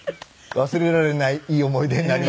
忘れられないいい思い出になりました。